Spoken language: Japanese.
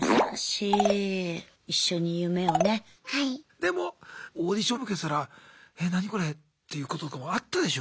でもオーディション受けてたら「え何これ」っていうこととかもあったでしょ？